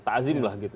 ta'azim lah gitu